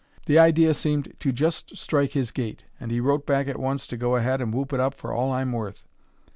The idea seemed to just strike his gait, and he wrote back at once to go ahead and whoop it up for all I'm worth.